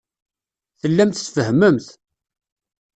Tellamt tfehhmemt.